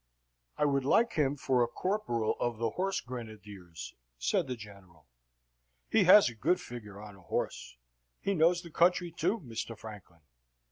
"I would like him for a corporal of the Horse Grenadiers," said the General. "He has a good figure on a horse. He knows the country too, Mr. Franklin."